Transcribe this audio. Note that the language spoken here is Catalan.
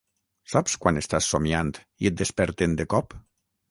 Saps quan estàs somiant i et desperten de cop?